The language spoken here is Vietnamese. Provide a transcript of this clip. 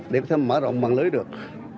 để có thể mở rộng bằng lưới được